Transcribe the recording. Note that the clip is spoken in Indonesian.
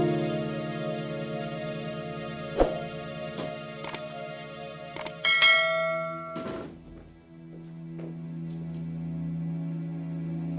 aku sudah selesai